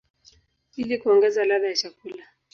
ili kuongeza ladha ya chakula.